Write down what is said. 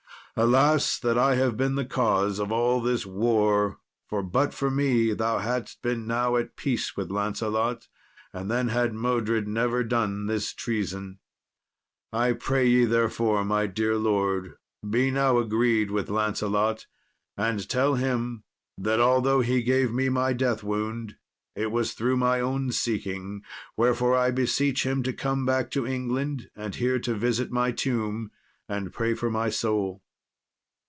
Alas! that I have been the cause of all this war, for but for me thou hadst been now at peace with Lancelot, and then had Modred never done this treason. I pray ye, therefore, my dear lord, be now agreed with Lancelot, and tell him, that although he gave me my death wound, it was through my own seeking; wherefore I beseech him to come back to England, and here to visit my tomb, and pray for my soul."